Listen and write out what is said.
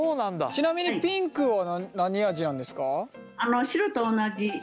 ちなみにピンクは何味なんですか？